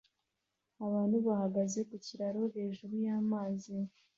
Abantu bahagaze ku kiraro hejuru y'amazi